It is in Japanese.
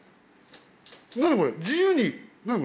何これ「自由に」。